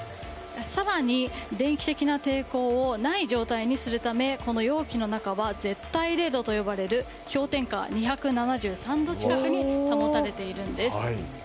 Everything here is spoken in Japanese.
更に、電気的な抵抗をない状態にするためこの容器の中は絶対零度と呼ばれる氷点下２７３度近くに保たれているんです。